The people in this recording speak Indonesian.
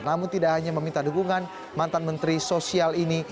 namun tidak hanya meminta dukungan mantan menteri sosial ini